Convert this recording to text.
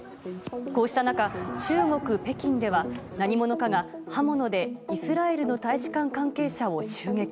こうした中、中国・北京では何者かが刃物でイスラエルの大使館関係者を襲撃。